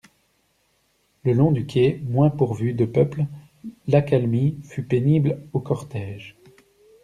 Le long du quai moins pourvu de peuple, l'accalmie fut pénible au cortège.